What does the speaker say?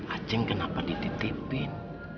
acing kenapa dititipin